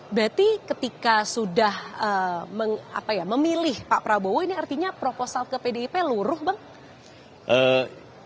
berarti ketika sudah memilih pak prabowo ini artinya proposal ke pdip luruh bang